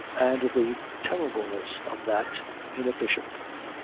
And the terribleness of that in a bishop.